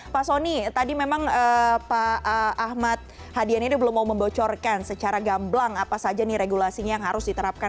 pak soni tadi memang pak ahmad hadian ini belum mau membocorkan secara gamblang apa saja nih regulasinya yang harus diterapkan